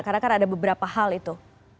karena kan ada beberapa hal itu